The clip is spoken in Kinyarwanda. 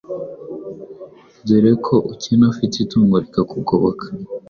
dore ko ukena ufite itungo rikakugoboka.